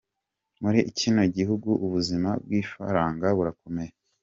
Muri kino gihugu ubuzima bw’ifaranga burakomeye.